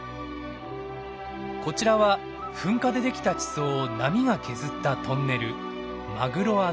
こちらは噴火でできた地層を波が削ったトンネルマグロ穴。